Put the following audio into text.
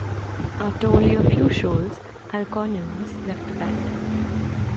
After only a few shows, Al Collins left the band.